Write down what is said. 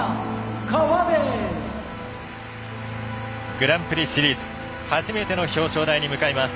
グランプリシリーズ初めての表彰台に向かいます。